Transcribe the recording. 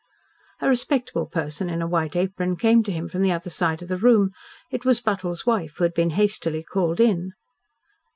A respectable person in a white apron came to him from the other side of the room. It was Buttle's wife, who had been hastily called in.